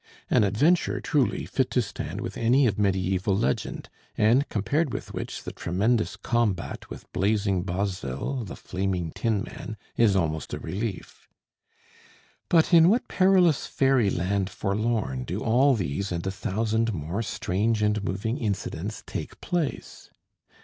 An adventure, truly, fit to stand with any of mediæval legend, and compared with which the tremendous combat with Blazing Bosville, the Flaming Tinman, is almost a relief. But in what perilous Faery Land forlorn do all these and a thousand more strange and moving incidents take place?